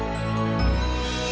hati hati dong ya